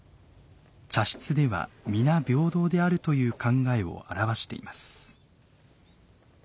茶室では皆平等であるという考えを表しています。